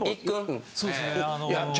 そうですねあの。